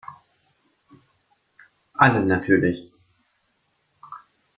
Alle natürlich.